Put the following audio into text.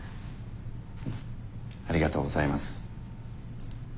ありがとうございます。